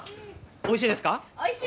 おいしいです。